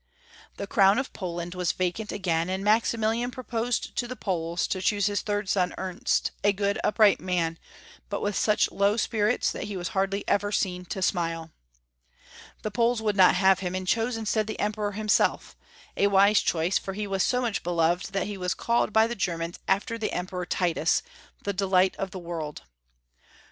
The croAvn of Poland was vacant again, and Maximilian proposed to the Poles to choose liis tliird son, Ernst, a good, \ipright man, but with such loAV spuits that lie was hardly ever seen to smile. The Poles woiUd not have him, and chose instead the Emperor himself, a wise choice, for he was so much beloved that he was called by the Germans after the Emperor Titus, "the delight of the world."